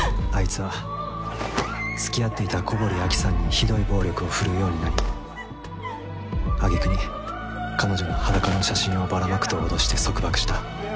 あいつは付き合っていた古堀アキさんにひどい暴力を振るうようになり揚げ句に彼女の裸の写真をばらまくと脅して束縛した。